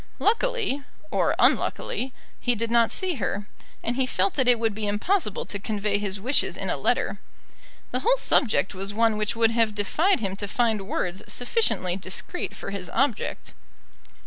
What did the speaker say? Luckily, or unluckily, he did not see her, and he felt that it would be impossible to convey his wishes in a letter. The whole subject was one which would have defied him to find words sufficiently discreet for his object.